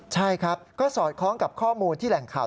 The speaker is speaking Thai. ใช่ครับก็สอดคล้องกับข้อมูลที่แหล่งข่าว